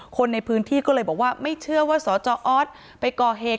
คนในพื้นที่ก็เลยบอกว่าไม่เชื่อว่าสจออสไปก่อเหตุ